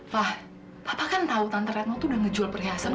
pak bapak kan tahu tante retno tuh udah ngejual perhiasan